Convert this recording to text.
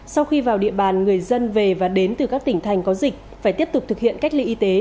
sau khi vào địa bàn người dân về và đến từ các tỉnh thành có dịch phải tiếp tục thực hiện cách ly y tế